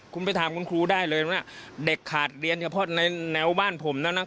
คุณไปถามคุณครูได้เลยว่าเด็กขาดเรียนเฉพาะในแนวบ้านผมแล้วนะ